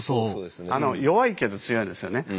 あの弱いけど強いんですよね。